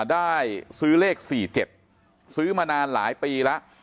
ได้ซื้อเลข๔๗ซื้อมานานหลายปีแล้ว